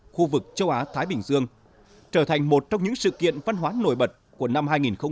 khu vực châu á thái bình dương trở thành một trong những sự kiện văn hóa nổi bật của năm hai nghìn một mươi chín